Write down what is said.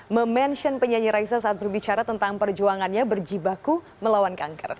memention penyanyi raisa saat berbicara tentang perjuangannya berjibaku melawan kanker